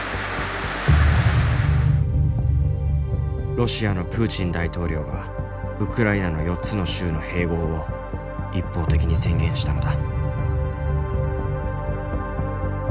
ロシアのプーチン大統領がウクライナの４つの州の併合を一方的に宣言したのだ。